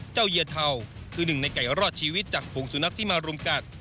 เจ้าเยียร์เท่าคือหนึ่งในไก่รอดชีวิตจากโผงสู่นักที่มารุมกัด